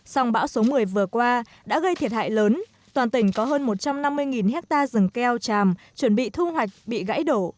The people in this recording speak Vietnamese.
sông bão số một mươi vừa qua đã gây thiệt hại lớn toàn tỉnh có hơn một trăm năm mươi hectare rừng keo tràm chuẩn bị thu hoạch bị gãy đổ